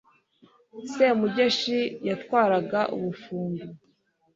Semugeshi yatwaraga Ubufundu